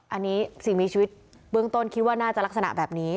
อันนี้สิ่งมีชีวิตเบื้องต้นคิดว่าน่าจะลักษณะแบบนี้